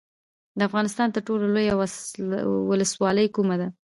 د افغانستان تر ټولو لویه ولسوالۍ کومه ده؟